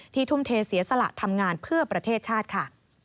ทุ่มเทเสียสละทำงานเพื่อประเทศชาติค่ะ